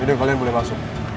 udah bang kalian boleh masuk